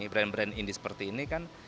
brand brand indi seperti ini kan